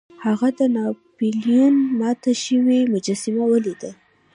هغه د ناپلیون ماته شوې مجسمه ولیده.